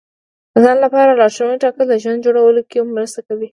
د ځان لپاره لارښوونې ټاکل د ژوند جوړولو کې مرسته کوي.